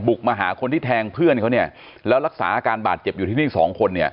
มาหาคนที่แทงเพื่อนเขาเนี่ยแล้วรักษาอาการบาดเจ็บอยู่ที่นี่สองคนเนี่ย